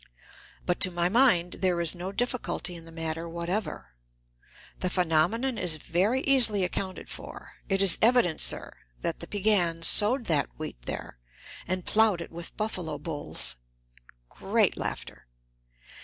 But to my mind there is no difficulty in the matter whatever. The phenomenon is very easily accounted for. It is evident, sir, that the Piegans sowed that wheat there and plowed it with buffalo bulls. (Great laughter.)